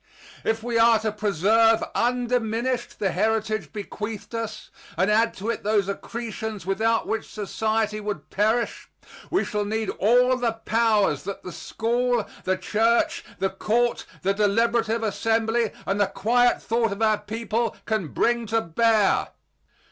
If we are to preserve undiminished the heritage bequeathed us, and add to it those accretions without which society would perish, we shall need all the powers that the school, the church, the court, the deliberative assembly, and the quiet thought of our people can bring to bear.